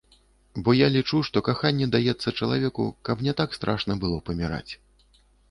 Бо я лічу, што каханне даецца чалавеку, каб не так страшна было паміраць.